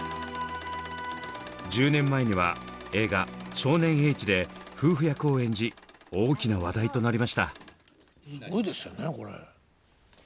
１０年前には映画「少年Ｈ」で夫婦役を演じ大きな話題となりました。